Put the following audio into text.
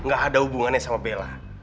gak ada hubungannya sama bella